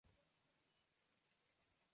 Todas ellas están unidas sin pausas entre sí.